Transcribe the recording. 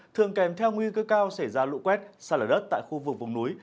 thường kèm theo nguy cơ cao xảy ra lũ quét xa lở đất tại khu vực vùng núi